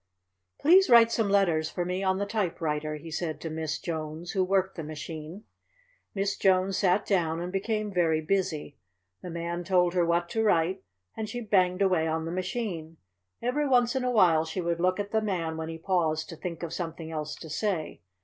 "Please write some letters for me on the typewriter," he said to Miss Jones, who worked the machine. Miss Jones sat down and became very busy. The Man told her what to write and she banged away on the machine. Every once in a while she would look at the Man when he paused to think of something else to say.